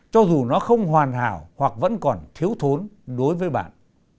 cho dù nó không hoàn hảo hoặc vẫn còn thiếu thốn đối với bạn